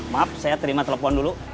maaf saya terima telepon dulu